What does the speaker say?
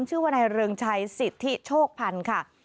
ชื่อว่านายเริงชัยสิทธิโชคพันธ์ค่ะ